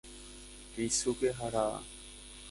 Keisuke Harada